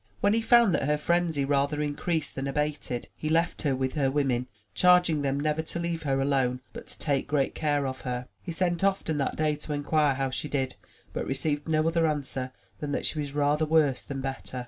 When he found that her frenzy rather increased than abated, he left her with her women, charging them never to leave her alone, but to take great care of her. He sent often that day, to inquire how she did, but received no other answer than that she was rather worse than better.